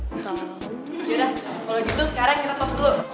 yaudah kalo gitu sekarang kita toast dulu